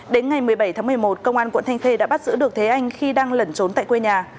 đến ngày một mươi bảy tháng một mươi một công an quận thanh khê đã bắt giữ được thế anh khi đang lẩn trốn tại quê nhà